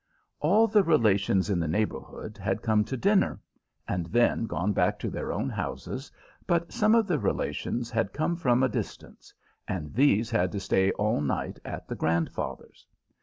All the relations in the neighborhood had come to dinner, and then gone back to their own houses, but some of the relations had come from a distance, and these had to stay all night at the grandfather's.